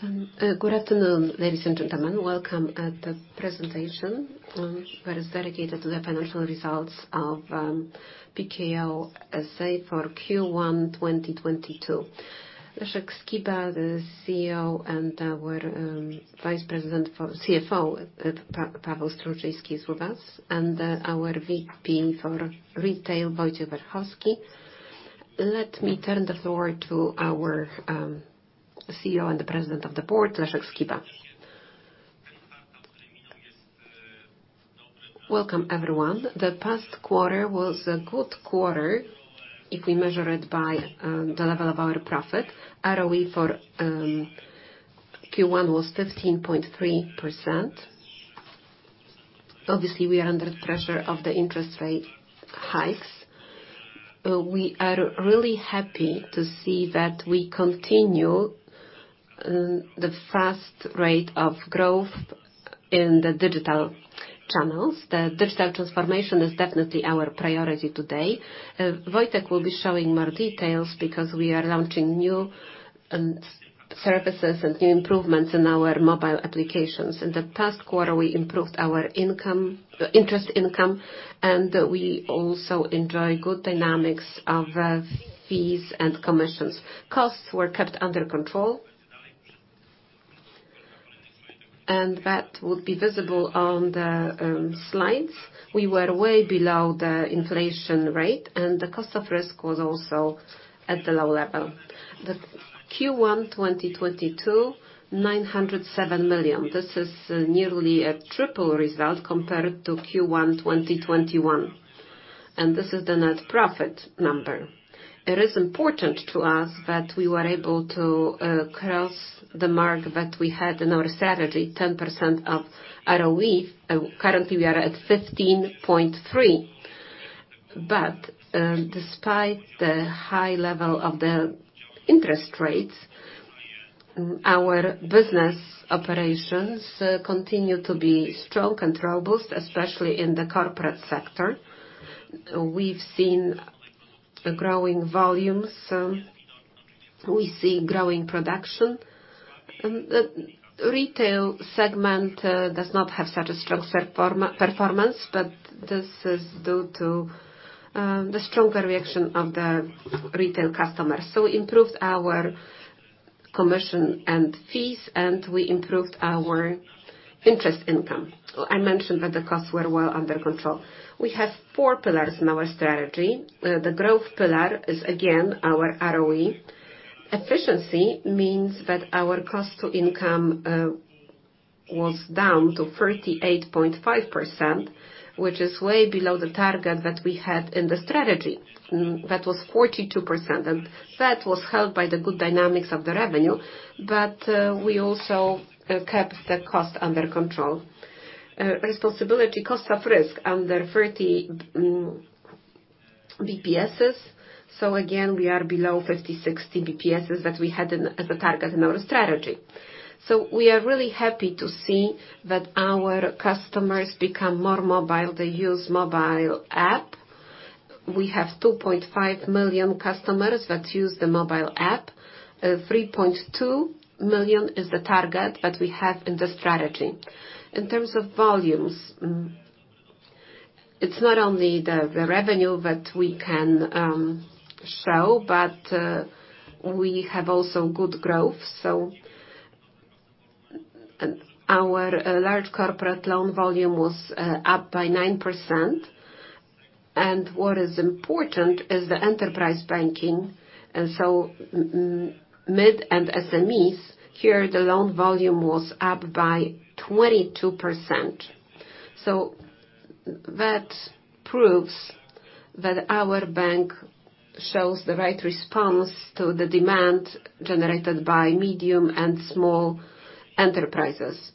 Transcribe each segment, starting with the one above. Good afternoon, ladies and gentlemen. Welcome at the presentation that is dedicated to the financial results of Pekao S.A. for Q1 2022. Leszek Skiba, the CEO, and our Vice President CFO, Paweł Strączyński, is with us, and our VP for Retail, Wojciech Werochowski. Let me turn the floor to our CEO and the President of the Board, Leszek Skiba. Welcome, everyone. The past quarter was a good quarter if we measure it by the level of our profit. ROE for Q1 was 15.3%. Obviously, we are under pressure of the interest rate hikes. We are really happy to see that we continue the fast rate of growth in the digital channels. The digital transformation is definitely our priority today. Wojciech will be showing more details because we are launching new services and new improvements in our mobile applications. In the past quarter, we improved our interest income, and we also enjoy good dynamics of fees and commissions. Costs were kept under control. That would be visible on the slides. We were way below the inflation rate, and the cost of risk was also at the low level. Q1 2022 907 million. This is nearly a triple result compared to Q1 2021, and this is the net profit number. It is important to us that we were able to cross the mark that we had in our strategy, 10% ROE. Currently, we are at 15.3%. Despite the high level of the interest rates, our business operations continue to be strong and robust, especially in the corporate sector. We've seen growing volumes. We see growing production. The retail segment does not have such a strong performance, but this is due to the stronger reaction of the retail customers. We improved our commission and fees, and we improved our interest income. I mentioned that the costs were well under control. We have four pillars in our strategy. The growth pillar is, again, our ROE. Efficiency means that our cost-to-income was down to 38.5%, which is way below the target that we had in the strategy. That was 42%, and that was helped by the good dynamics of the revenue, but we also kept the cost under control. Our cost of risk under 30 basis points. Again, we are below 50-60 basis points that we had as a target in our strategy. We are really happy to see that our customers become more mobile. They use mobile app. We have 2.5 million customers that use the mobile app. 3.2 million is the target that we have in the strategy. In terms of volumes, it's not only the revenue that we can show, but we have also good growth. Our large corporate loan volume was up by 9%. What is important is the enterprise banking. Mid and SMEs, the loan volume was up by 22%. That proves that our bank shows the right response to the demand generated by medium and small enterprises.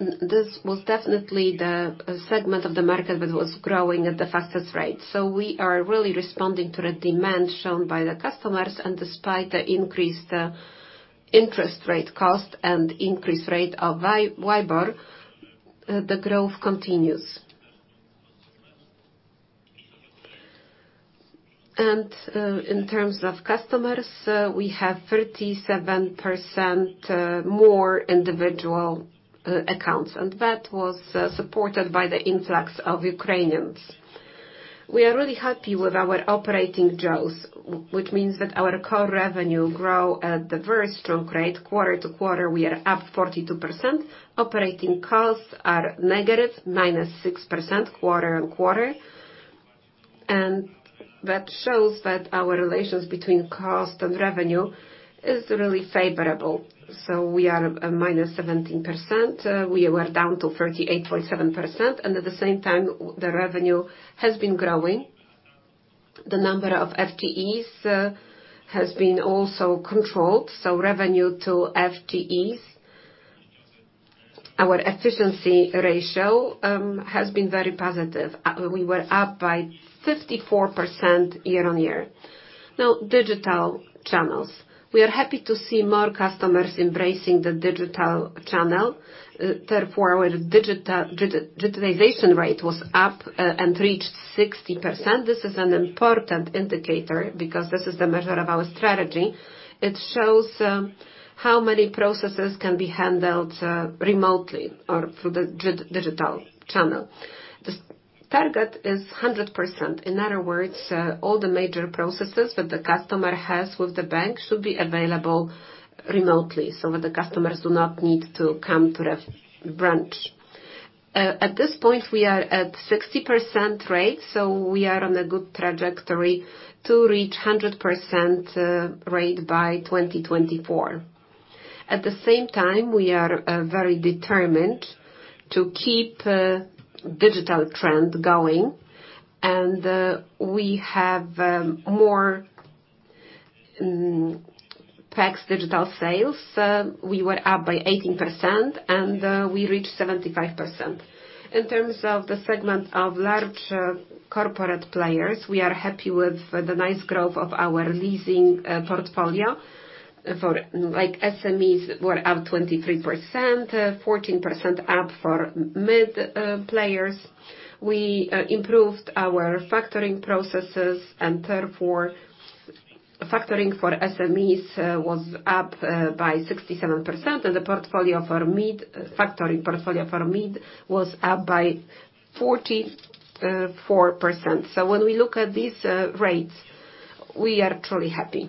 This was definitely the segment of the market that was growing at the fastest rate. We are really responding to the demand shown by the customers. Despite the increased interest rate cost and increased rate of WIBOR, the growth continues. In terms of customers, we have 37% more individual accounts, and that was supported by the influx of Ukrainians. We are really happy with our operating ratios, which means that our core revenue grow at the very strong rate. Quarter to quarter, we are up 42%. Operating costs are negative, -6%, quarter-on-quarter. That shows that our ratio between cost and revenue is really favorable. We are at -17%. We were down to 38.7%, and at the same time, the revenue has been growing. The number of FTEs has been also controlled. Revenue to FTEs, our efficiency ratio, has been very positive. We were up by 54% year-on-year. Now, digital channels. We are happy to see more customers embracing the digital channel. Therefore, our digitalization rate was up and reached 60%. This is an important indicator because this is the measure of our strategy. It shows how many processes can be handled remotely or through the digital channel. The target is 100%. In other words, all the major processes that the customer has with the bank should be available remotely, so that the customers do not need to come to the branch. At this point, we are at 60% rate, so we are on a good trajectory to reach 100% rate by 2024. At the same time, we are very determined to keep digital trend going, and we have more next digital sales. We were up by 18% and we reached 75%. In terms of the segment of large corporate players, we are happy with the nice growth of our leasing portfolio. For like SMEs were up 23%, 14% up for mid players. We improved our factoring processes, and therefore factoring for SMEs was up by 67%, and the factoring portfolio for mid was up by 44%. When we look at these rates, we are truly happy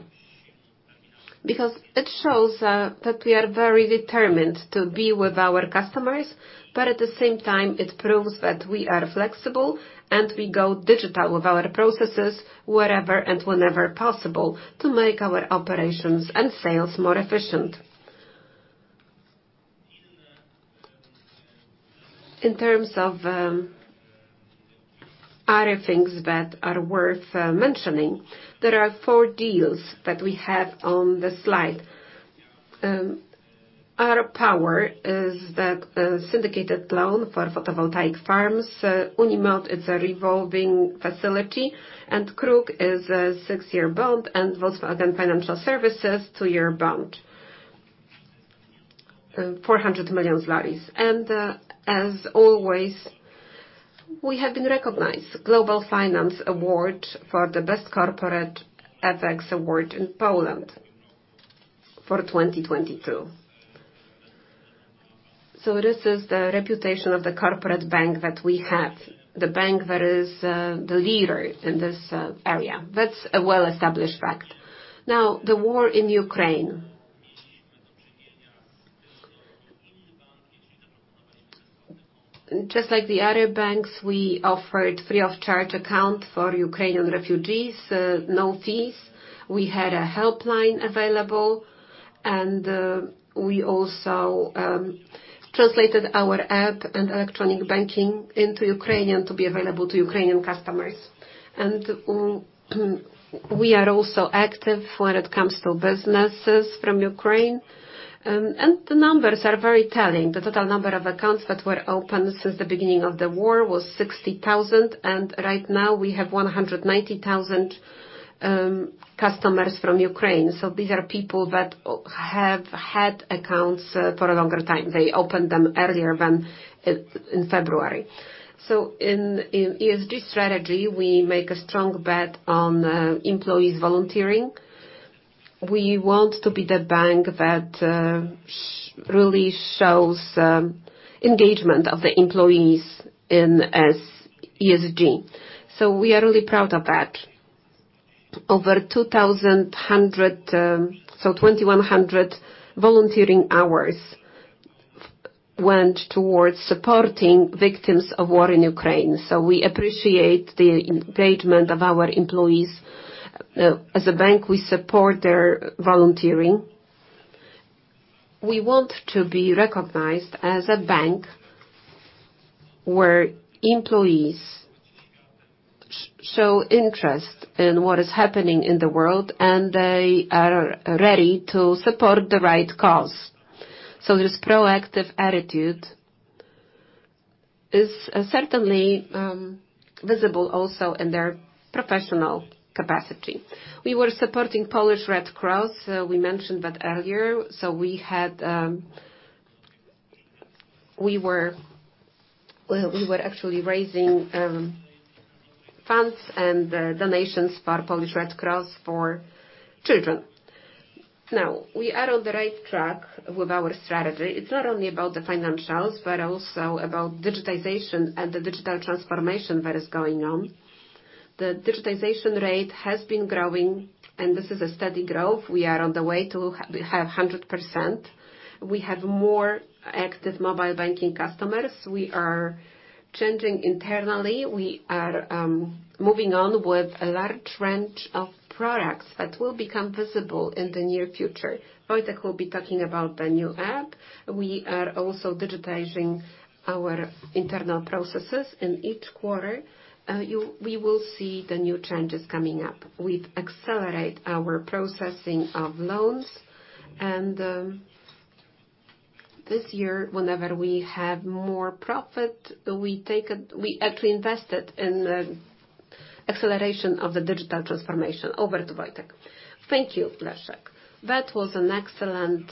because it shows that we are very determined to be with our customers, but at the same time, it proves that we are flexible and we go digital with our processes wherever and whenever possible to make our operations and sales more efficient. In terms of other things that are worth mentioning, there are four deals that we have on the slide. R.Power is that syndicated loan for photovoltaic farms. UNIMOT is a revolving facility, and KRUK is a six-year bond, and Volkswagen Financial Services two-year bond, 400 million. As always, we have been recognized. Global Finance Award for the best corporate FX award in Poland for 2022. This is the reputation of the corporate bank that we have, the bank that is the leader in this area. That's a well-established fact. Now, the war in Ukraine. Just like the other banks, we offered free of charge account for Ukrainian refugees, no fees. We had a helpline available, and we also translated our app and electronic banking into Ukrainian to be available to Ukrainian customers. We are also active when it comes to businesses from Ukraine. The numbers are very telling. The total number of accounts that were opened since the beginning of the war was 60,000, and right now we have 190,000 customers from Ukraine. These are people that have had accounts for a longer time. They opened them earlier than in February. In ESG strategy, we make a strong bet on employees volunteering. We want to be the bank that really shows engagement of the employees in ESG. We are really proud of that. Over 2,100 volunteering hours went towards supporting victims of war in Ukraine. We appreciate the engagement of our employees. As a bank, we support their volunteering. We want to be recognized as a bank where employees show interest in what is happening in the world, and they are ready to support the right cause. This proactive attitude is certainly visible also in their professional capacity. We were supporting Polish Red Cross. We mentioned that earlier. We were actually raising funds and donations for Polish Red Cross for children. Now, we are on the right track with our strategy. It's not only about the financials, but also about digitization and the digital transformation that is going on. The digitization rate has been growing and this is a steady growth. We are on the way to have 100%. We have more active mobile banking customers. We are changing internally. We are moving on with a large range of products that will become visible in the near future. Wojciech will be talking about the new app. We are also digitizing our internal processes. In each quarter, we will see the new changes coming up. We've accelerate our processing of loans and. This year, whenever we have more profit, we take it. We actually invest it in the acceleration of the digital transformation. Over to Wojciech. Thank you, Leszek. That was an excellent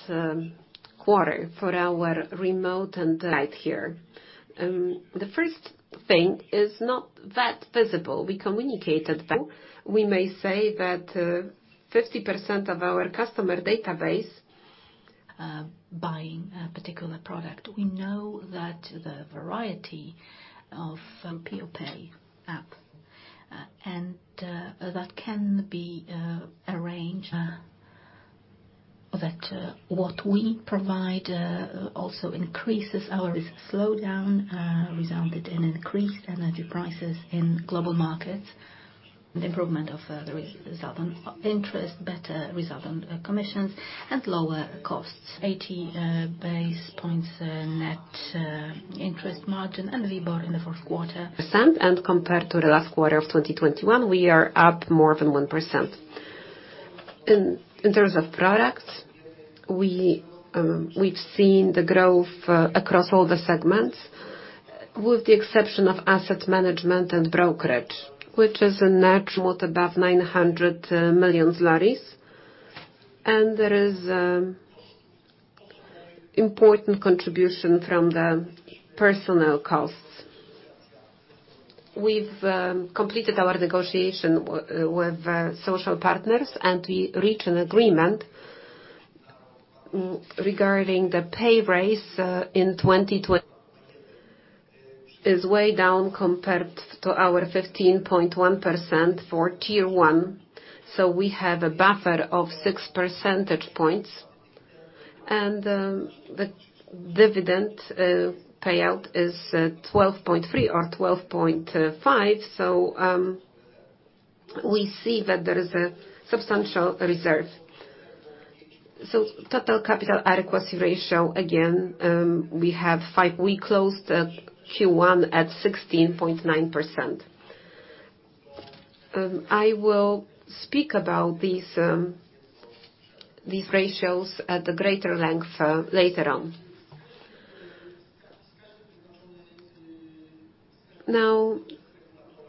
quarter for our retail and corporate. The first thing is not that visible. We communicated that. We may say that, 50% of our customer database Buying a particular product. We know that the variety of P2P app and that can be arranged. That what we provide also increases. Our slowdown resulted in increased energy prices in global markets. Improvement of the result on interest, better result on commissions and lower costs. 80 basis points net interest margin and WIBOR in the fourth quarter. Percent, compared to the last quarter of 2021, we are up more than 1%. In terms of products, we've seen the growth across all the segments, with the exception of asset management and brokerage, which is a natural. 900 million. There is important contribution from the personnel costs. We've completed our negotiation with social partners, and we reached an agreement regarding the pay raise in 2022. Is way down compared to our 15.1% for Tier 1, so we have a buffer of six percentage points. The dividend payout is 12.3 or 12.5. We see that there is a substantial reserve. Total capital adequacy ratio, again, we have five. We closed Q1 at 16.9%. I will speak about these ratios at a greater length, later on. Now,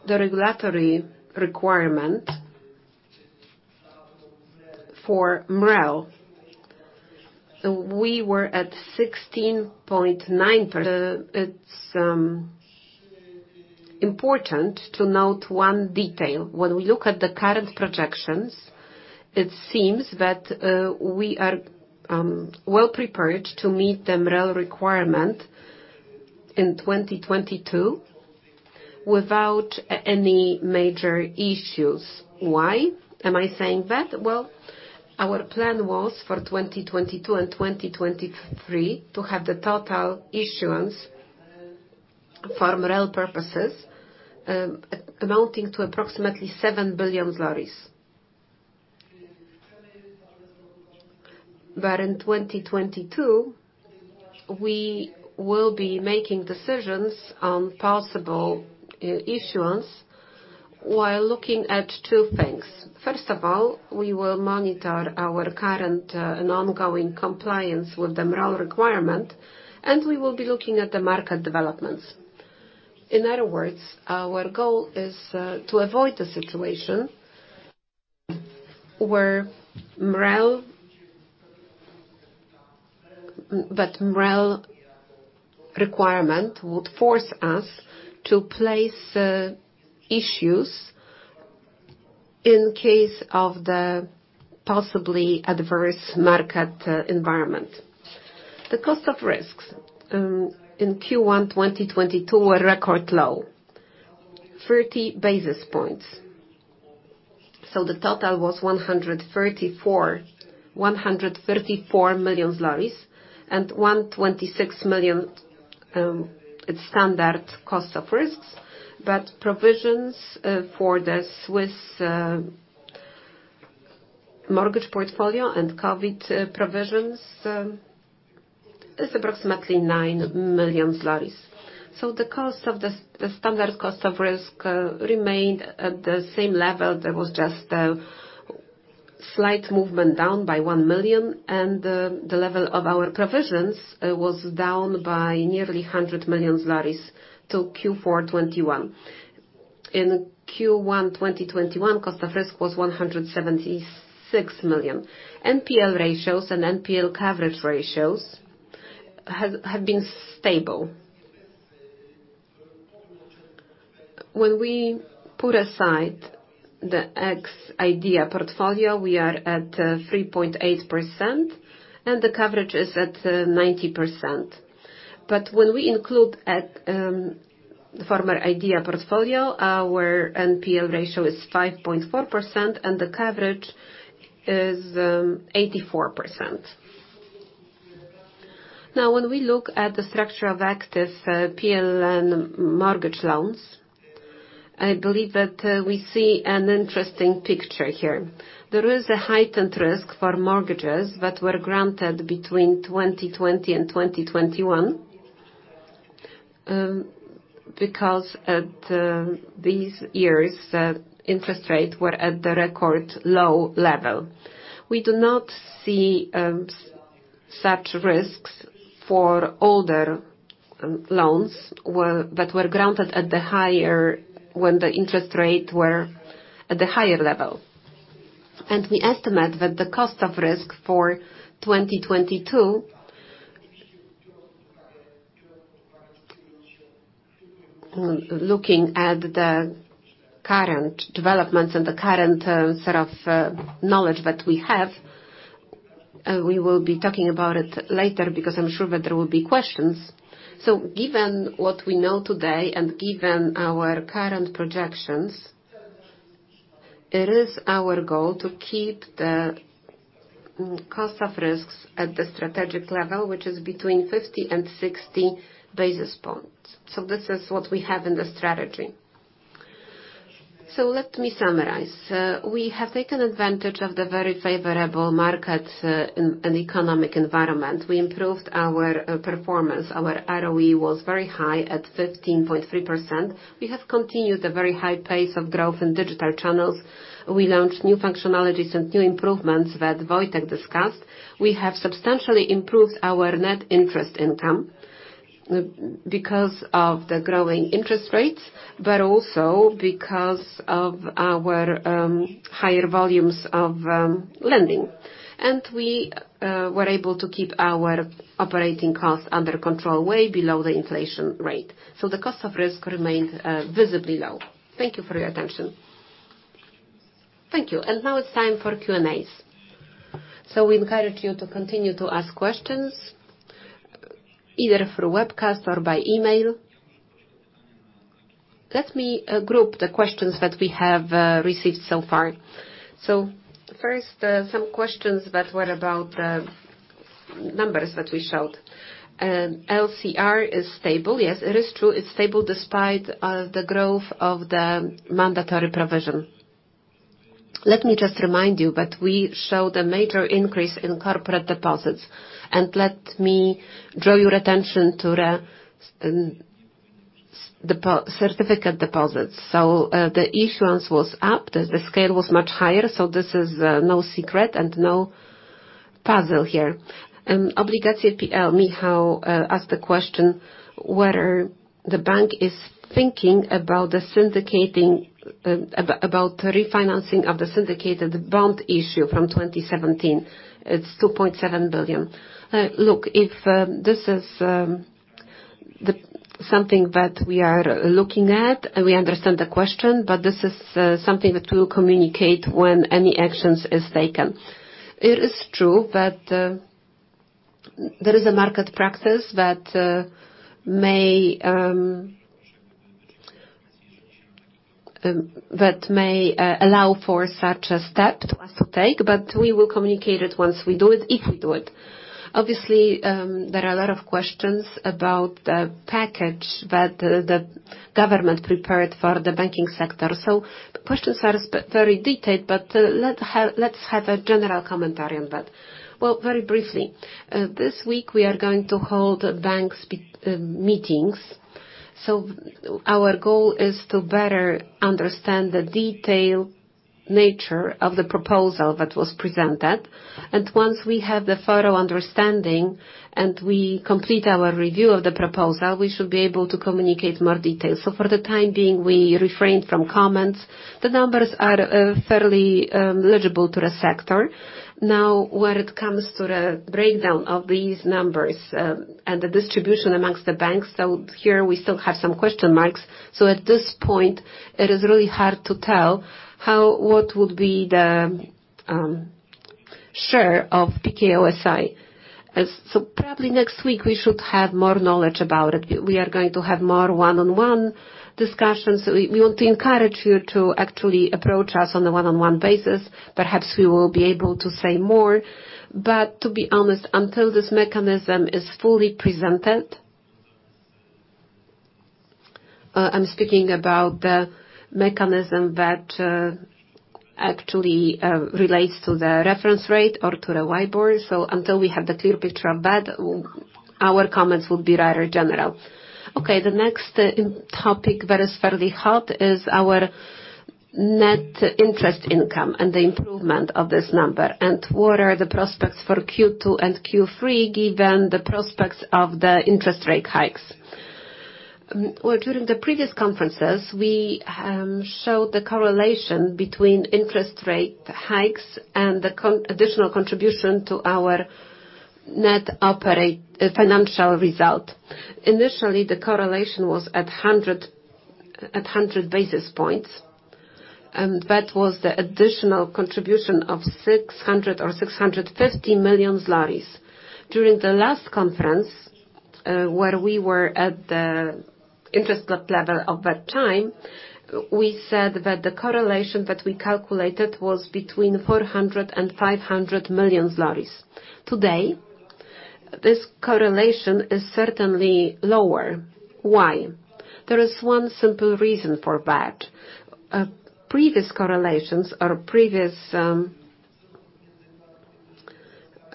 the regulatory requirement for MREL, we were at 16.9%. It's important to note one detail. When we look at the current projections, it seems that we are well prepared to meet the MREL requirement in 2022 without any major issues. Why am I saying that? Well, our plan was for 2022 and 2023 to have the total issuance for MREL purposes amounting to approximately 7 billion. In 2022, we will be making decisions on possible issuance while looking at two things. First of all, we will monitor our current and ongoing compliance with the MREL requirement, and we will be looking at the market developments. In other words, our goal is to avoid the situation where MREL. That MREL requirement would force us to place issues in case of the possibly adverse market environment. The cost of risks in Q1 2022 were record low, 30 basis points. The total was 134 million zlotys and 126 million standard cost of risks. But provisions for the Swiss mortgage portfolio and COVID provisions is approximately 9 million. The standard cost of risk remained at the same level. There was just a slight movement down by 1 million, and the level of our provisions was down by nearly 100 million to Q4 2021. In Q1 2021, cost of risk was 176 million. NPL ratios and NPL coverage ratios have been stable. When we put aside the ex-Idea portfolio, we are at 3.8%, and the coverage is at 90%. When we include the former Idea portfolio, our NPL ratio is 5.4% and the coverage is 84%. Now, when we look at the structure of active PLN mortgage loans, I believe that we see an interesting picture here. There is a heightened risk for mortgages that were granted between 2020 and 2021, because in these years, interest rates were at the record low level. We do not see such risks for older loans that were granted when the interest rates were at the higher level. We estimate that the cost of risk for 2022, looking at the current developments and the current knowledge that we have, we will be talking about it later because I'm sure that there will be questions. Given what we know today and given our current projections, it is our goal to keep the cost of risk at the strategic level, which is between 50 and 60 basis points. This is what we have in the strategy. Let me summarize. We have taken advantage of the very favorable market and economic environment. We improved our performance. Our ROE was very high at 15.3%. We have continued a very high pace of growth in digital channels. We launched new functionalities and new improvements that Wojciech discussed. We have substantially improved our net interest income because of the growing interest rates, but also because of our higher volumes of lending. We were able to keep our operating costs under control way below the inflation rate. The cost of risk remained visibly low. Thank you for your attention. Thank you. Now it's time for Q&As. We encourage you to continue to ask questions either through webcast or by email. Let me group the questions that we have received so far. First, some questions that were about the numbers that we showed. LCR is stable. Yes, it is true. It's stable despite the growth of the mandatory provision. Let me just remind you that we showed a major increase in corporate deposits, and let me draw your attention to the certificates of deposit. The issuance was up, the scale was much higher, this is no secret and no puzzle here. Obligacje.pl, Michał, asked the question whether the bank is thinking about the syndication about refinancing of the syndicated bond issue from 2017. It's 2.7 billion. Look, if this is something that we are looking at, and we understand the question, but this is something that we'll communicate when any actions is taken. It is true that there is a market practice that may allow for such a step for us to take, but we will communicate it once we do it, if we do it. Obviously, there are a lot of questions about the package that the government prepared for the banking sector. The questions are very detailed, but let's have a general commentary on that. Well, very briefly. This week we are going to hold meetings. Our goal is to better understand the detailed nature of the proposal that was presented. Once we have the thorough understanding and we complete our review of the proposal, we should be able to communicate more details. For the time being, we refrain from comments. The numbers are fairly legible to the sector. Now, when it comes to the breakdown of these numbers and the distribution amongst the banks, here we still have some question marks. At this point, it is really hard to tell how what would be the share of Pekao S.A. Probably next week, we should have more knowledge about it. We are going to have more one-on-one discussions. We want to encourage you to actually approach us on a one-on-one basis. Perhaps we will be able to say more. But to be honest, until this mechanism is fully presented, I'm speaking about the mechanism that actually relates to the reference rate or to the WIBOR. Until we have the clear picture of that, our comments will be rather general. Okay, the next topic that is fairly hot is our net interest income and the improvement of this number. What are the prospects for Q2 and Q3 given the prospects of the interest rate hikes? Well, during the previous conferences, we showed the correlation between interest rate hikes and the additional contribution to our net operating financial result. Initially, the correlation was at 100 basis points, and that was the additional contribution of 600 or 650 million zlotys. During the last conference, where we were at the interest rate level of that time, we said that the correlation that we calculated was between 400 million and 500 million zlotys. Today, this correlation is certainly lower. Why? There is one simple reason for that.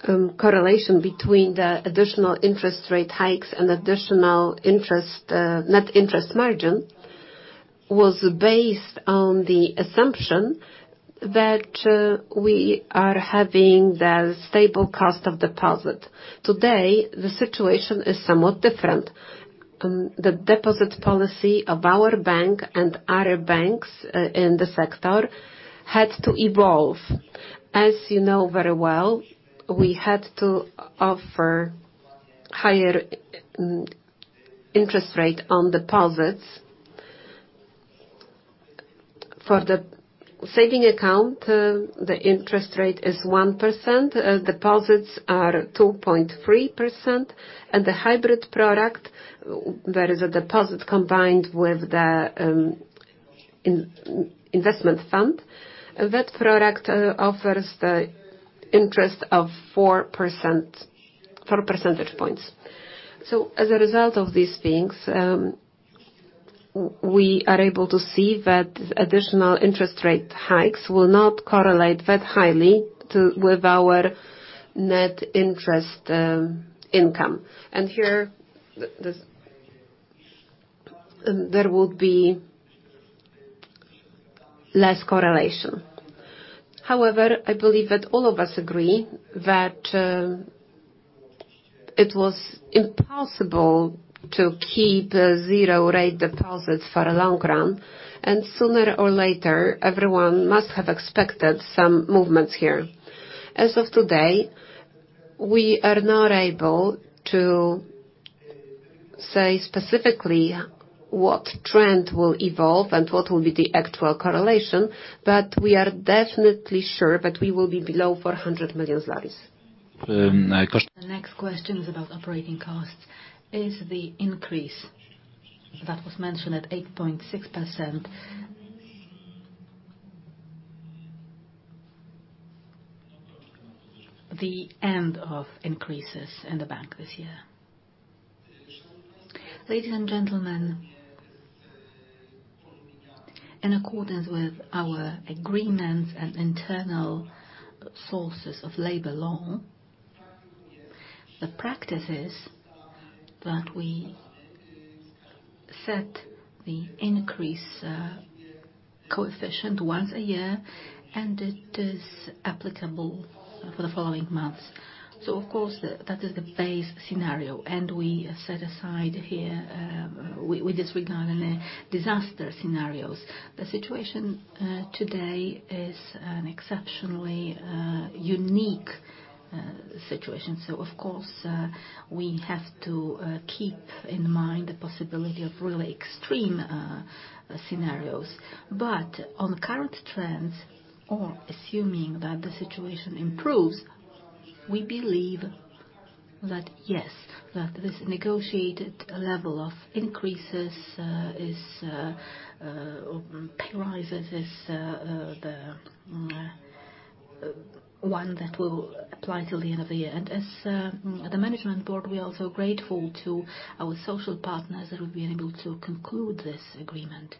Correlation between the additional interest rate hikes and additional interest, net interest margin was based on the assumption that, we are having the stable cost of deposit. Today, the situation is somewhat different. The deposit policy of our bank and other banks in the sector had to evolve. As you know very well, we had to offer higher interest rate on deposits. For the saving account, the interest rate is 1%, deposits are 2.3%, and the hybrid product, where is a deposit combined with the, investment fund, that product, offers the interest of 4%, four percentage points. As a result of these things, we are able to see that additional interest rate hikes will not correlate that highly to with our net interest, income. Here, there would be less correlation. However, I believe that all of us agree that it was impossible to keep zero rate deposits for the long run, and sooner or later, everyone must have expected some movements here. As of today, we are not able to say specifically what trend will evolve and what will be the actual correlation, but we are definitely sure that we will be below 400 million zlotys. The next question is about operating costs. Is the increase that was mentioned at 8.6% the end of increases in the bank this year? Ladies and gentlemen, in accordance with our agreements and internal sources of labor law, the practice is that we set the increase coefficient once a year, and it is applicable for the following months. Of course, that is the base scenario, and we set aside here, we disregard any disaster scenarios. The situation today is an exceptionally unique situation. Of course, we have to keep in mind the possibility of really extreme scenarios. But on current trends, or assuming that the situation improves, we believe that, yes, that this negotiated level of increases is pay rises, the one that will apply till the end of the year. As the management board, we are so grateful to our social partners that we've been able to conclude this agreement.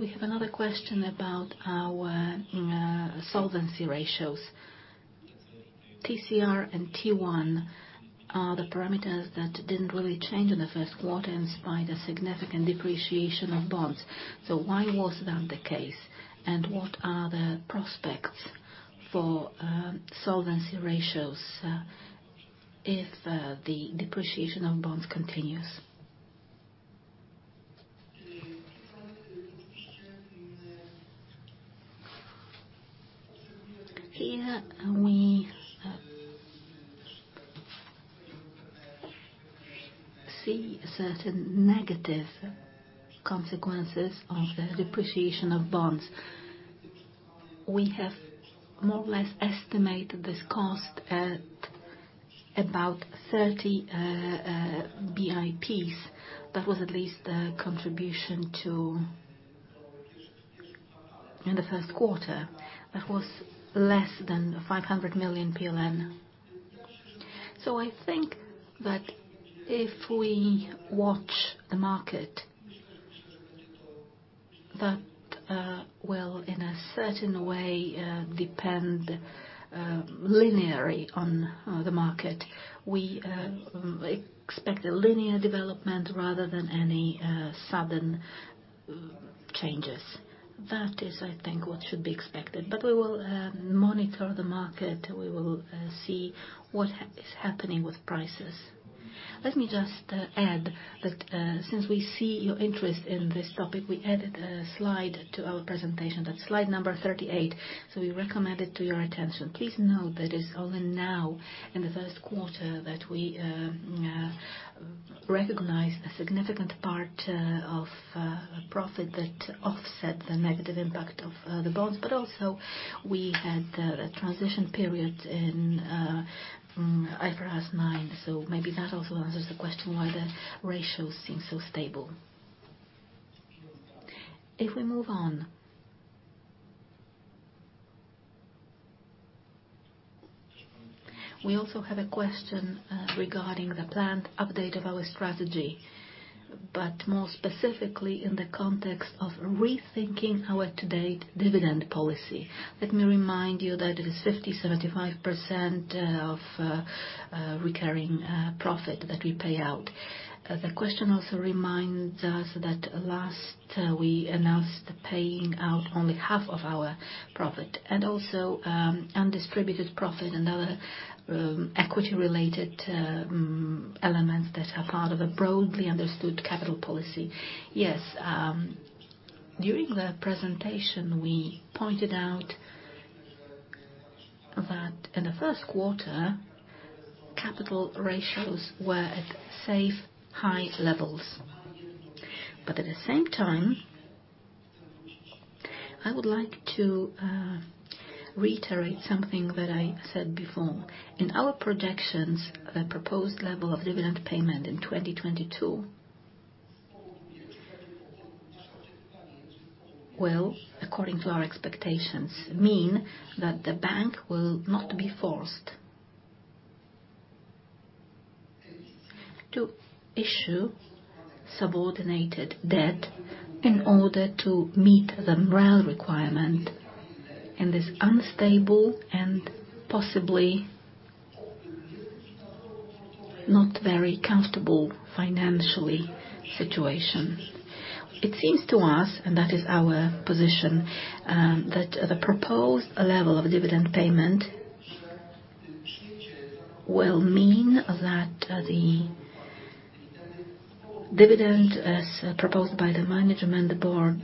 We have another question about our solvency ratios. TCR and T1 are the parameters that didn't really change in the first quarter despite the significant depreciation of bonds. Why was that the case? What are the prospects for solvency ratios if the depreciation of bonds continues? Here, we see certain negative consequences of the depreciation of bonds. We have more or less estimated this cost at about 30 bps. That was at least the contribution to in the first quarter. That was less than 500 million PLN. I think that if we watch the market, that will in a certain way depend linearly on the market. We expect a linear development rather than any sudden changes. That is, I think, what should be expected. We will monitor the market, we will see what is happening with prices. Let me just add that since we see your interest in this topic, we added a slide to our presentation. That's slide number 38, so we recommend it to your attention. Please note that it's only now in the first quarter that we recognize a significant part of profit that offset the negative impact of the bonds, but also we had a transition period in IFRS 9. Maybe that also answers the question why the ratios seem so stable. If we move on. We also had a question regarding the planned update of our strategy, but more specifically in the context of rethinking our to-date dividend policy. Let me remind you that it is 50%-75% of recurring profit that we pay out. The question also reminds us that last we announced paying out only half of our profit and also, undistributed profit and other, equity related, elements that are part of a broadly understood capital policy. Yes, during the presentation, we pointed out that in the first quarter, capital ratios were at safe high levels. At the same time, I would like to, reiterate something that I said before. In our projections, the proposed level of dividend payment in 2022 will, according to our expectations, mean that the bank will not be forced to issue subordinated debt in order to meet the MREL requirement in this unstable and possibly not very comfortable financially situation. It seems to us, and that is our position, that the proposed level of dividend payment will mean that the dividend, as proposed by the management board,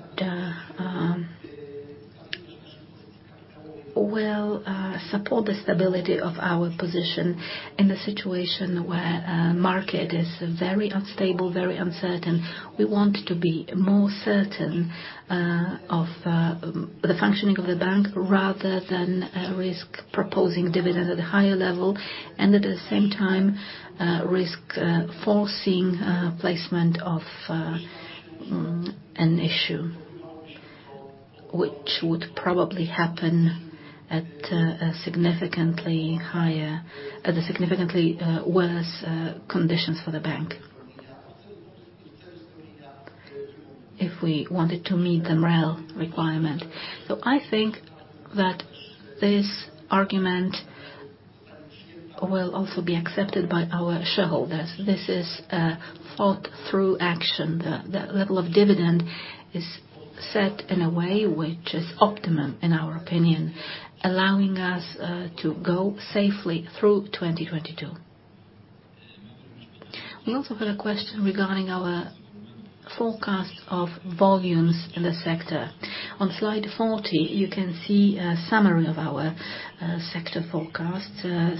will support the stability of our position in a situation where market is very unstable, very uncertain. We want to be more certain of the functioning of the bank rather than risk proposing dividend at a higher level and at the same time risk forcing placement of an issue which would probably happen at a significantly worse conditions for the bank if we wanted to meet the MREL requirement. I think that this argument will also be accepted by our shareholders. This is a thought through action. The level of dividend is set in a way which is optimum, in our opinion, allowing us to go safely through 2022. We also had a question regarding our forecast of volumes in the sector. On slide 40, you can see a summary of our sector forecast,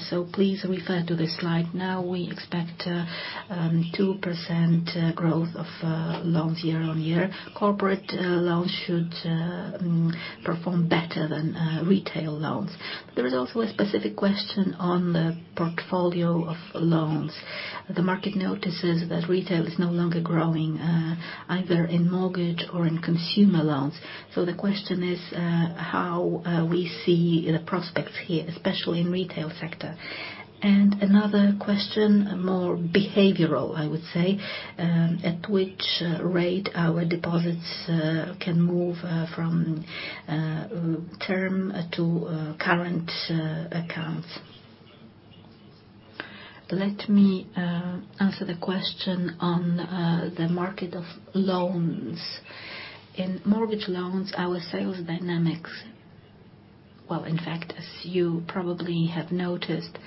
so please refer to this slide. Now, we expect 2% growth of loans year-on-year. Corporate loans should perform better than retail loans. There is also a specific question on the portfolio of loans. The market notices that retail is no longer growing, either in mortgage or in consumer loans. The question is, how we see the prospects here, especially in retail sector. Another question, more behavioral, I would say, at which rate our deposits can move from term to current accounts. Let me answer the question on the market of loans. In mortgage loans, our sales dynamics. Well, in fact, as you probably have noticed,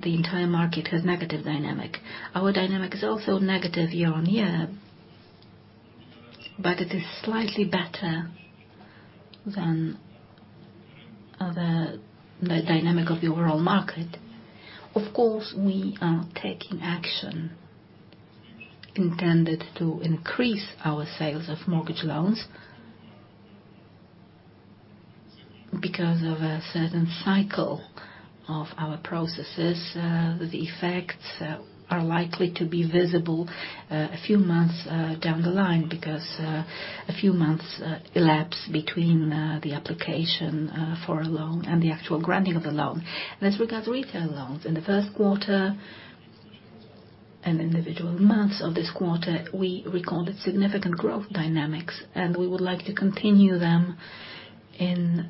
the entire market has negative dynamic. Our dynamic is also negative year-on-year, but it is slightly better than the dynamic of the overall market. Of course, we are taking action intended to increase our sales of mortgage loans. Because of a certain cycle of our processes, the effects are likely to be visible a few months down the line because a few months elapse between the application for a loan and the actual granting of the loan. As regard to retail loans, in the first quarter and individual months of this quarter, we recorded significant growth dynamics, and we would like to continue them in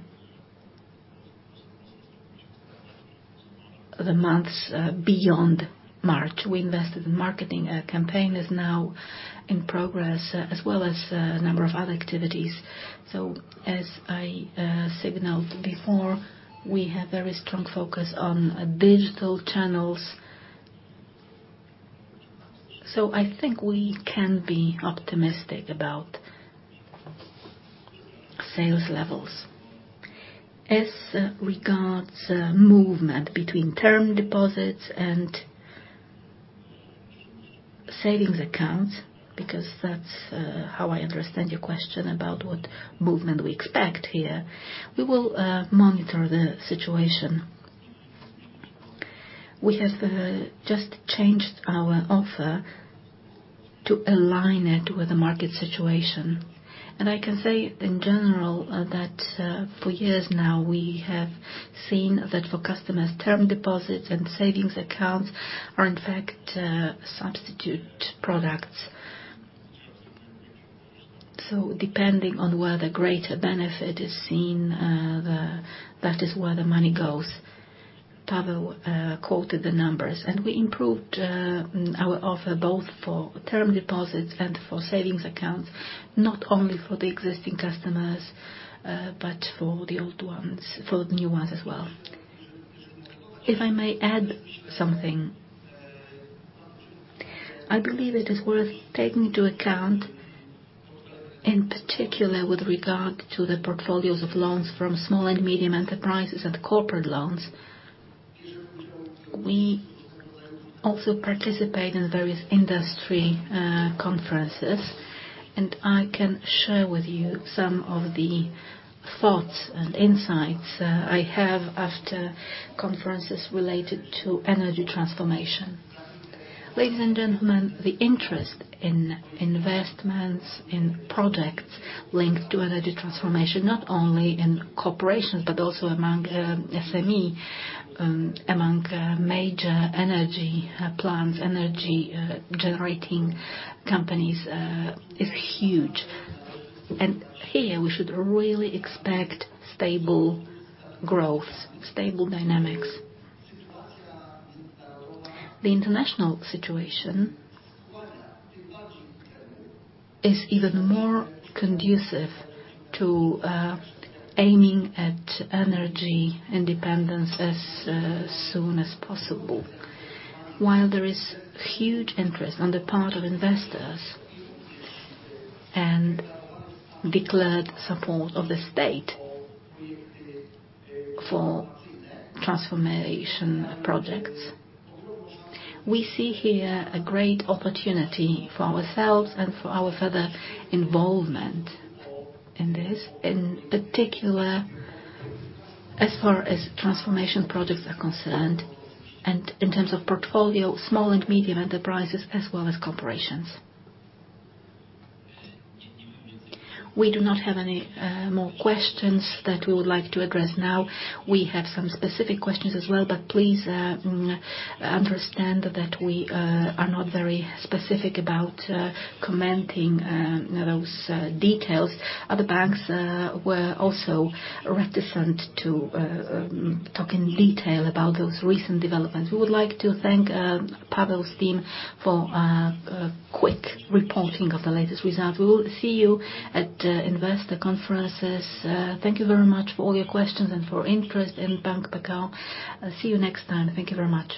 the months beyond March. We invested in marketing, a campaign is now in progress, as well as a number of other activities. As I signaled before, we have very strong focus on digital channels, so I think we can be optimistic about sales levels. As regards movement between term deposits and savings accounts, because that's how I understand your question about what movement we expect here, we will monitor the situation. We have just changed our offer to align it with the market situation. I can say in general that for years now, we have seen that for customers, term deposits and savings accounts are in fact substitute products. Depending on where the greater benefit is seen, that is where the money goes. Paweł quoted the numbers, and we improved our offer both for term deposits and for savings accounts, not only for the existing customers, but for the new ones as well. If I may add something. I believe it is worth taking into account, in particular with regard to the portfolios of loans from small and medium enterprises and corporate loans. We also participate in various industry conferences, and I can share with you some of the thoughts and insights I have after conferences related to energy transformation. Ladies and gentlemen, the interest in investments in projects linked to energy transformation, not only in corporations but also among SME, among major energy plants, energy generating companies, is huge. Here we should really expect stable growth, stable dynamics. The international situation is even more conducive to aiming at energy independence as soon as possible. While there is huge interest on the part of investors and declared support of the state for transformation projects, we see here a great opportunity for ourselves and for our further involvement in this, in particular as far as transformation projects are concerned and in terms of portfolio, small and medium enterprises, as well as corporations. We do not have any more questions that we would like to address now. We have some specific questions as well, but please understand that we are not very specific about commenting those details. Other banks were also reticent to talk in detail about those recent developments. We would like to thank Paweł's team for quick reporting of the latest results. We will see you at investor conferences. Thank you very much for all your questions and for interest in Bank Pekao. I'll see you next time. Thank you very much.